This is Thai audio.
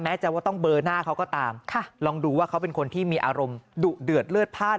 จะว่าต้องเบอร์หน้าเขาก็ตามลองดูว่าเขาเป็นคนที่มีอารมณ์ดุเดือดเลือดพลาด